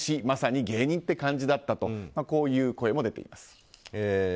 まさに芸人って感じだったという声も出ています。